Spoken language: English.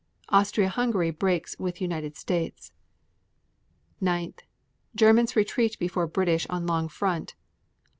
Austria Hungary breaks with United States. 9. Germans retreat before British on long front.